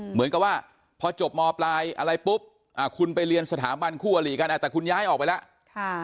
เหมือนกับว่าพอจบมปลายอะไรปุ๊บคุณไปเรียนสถาบันคู่อลีกันแต่คุณย้ายออกไปแล้ว